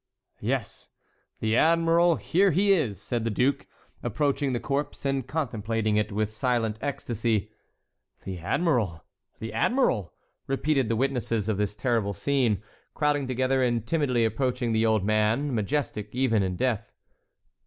"Yes, the admiral, here he is!" said the duke, approaching the corpse, and contemplating it with silent ecstasy. "The admiral! the admiral!" repeated the witnesses of this terrible scene, crowding together and timidly approaching the old man, majestic even in death.